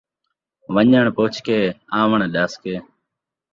ون٘ڄݨ پچھ کے ، آوݨ ݙس کے